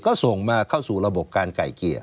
ก็ส่งมาเข้าสู่ระบบการไก่เกลี่ย